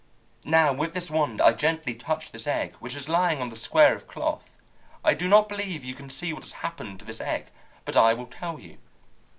"Now with this wand I gently touch this egg which is lying on the square of cloth. I do not believe you can see what has happened to this egg, but I will tell you.